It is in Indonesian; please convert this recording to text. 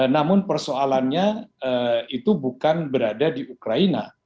namun persoalannya itu bukan berada di ukraina